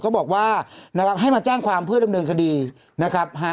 ก็บอกว่านะครับให้มาแจ้งความเพื่อดำเนินคดีนะครับฮะ